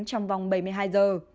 trong vòng bảy mươi hai giờ